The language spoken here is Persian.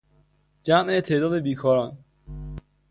جمع تعداد بیکاران